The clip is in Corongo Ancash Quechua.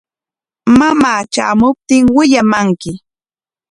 Mamaa tramuptin willamanki.